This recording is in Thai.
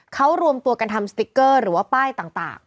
เขารวมตัวกันทำสติ๊กเกอร์หรือว่าป้ายต่าง